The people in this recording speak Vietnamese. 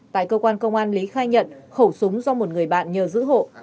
tại cơ quan công an lý khai nhận khẩu súng do một người bạn nhờ giữ hộ